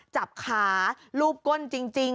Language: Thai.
จับขารูปก้นจริง